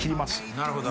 なるほど。